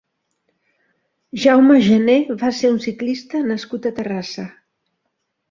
Jaume Janer va ser un ciclista nascut a Terrassa.